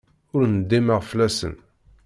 Ur ndimeɣ fell-asen.